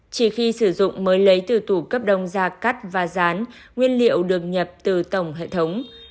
chỉ khi sử dụng mới lấy từ tủ cấp đông ra cắt và rán nguyên liệu được nhập từ tổng hệ thống